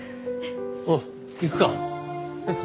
おう行くか。